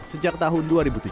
sejak tahun dua ribu tujuh belas